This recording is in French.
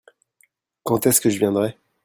Quand est-ce que je viendrai ?